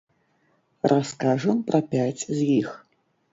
Раскажам пра пяць з іх.